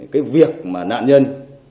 cái việc mà nạn nhân